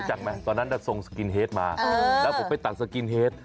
จังไหมตอนนั้นทรงสกินเฮดมาแล้วผมไปตัดสกินเฮด